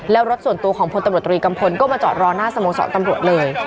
แล้วก็มีส่วนตัวของพนธรตรีกัมพลกมาเจอรอหน้าสมกสอบตำรวจ